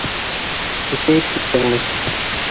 Көсәйеп киттеңме?